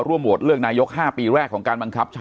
ร่วมโหวดเรื่องนายก๕ปีแรกของการบังคับ